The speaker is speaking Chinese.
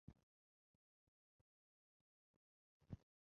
据报道政府军的援兵和坦克通过哈塞克市抵达了战区。